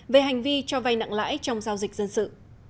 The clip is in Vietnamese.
về hành vi cho vay nặng lãi trong giao dịch dân sự